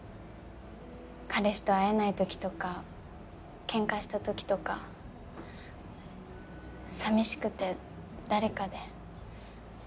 彼氏と会えないときとかケンカしたときとかさみしくて誰かで。